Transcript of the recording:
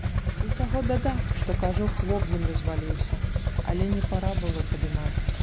Усяго бяда, што кажух вобземлю зваліўся, але не пара было падымаць.